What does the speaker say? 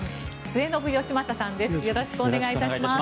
末延吉正さんです。